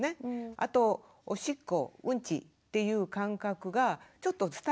あとおしっこうんちっていう感覚がちょっと伝えることができる。